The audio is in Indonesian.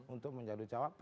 untuk menjadi jawabannya